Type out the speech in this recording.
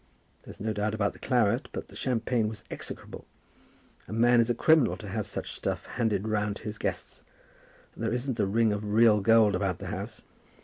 There's no doubt about the claret, but the champagne was execrable. A man is a criminal to have such stuff handed round to his guests. And there isn't the ring of real gold about the house."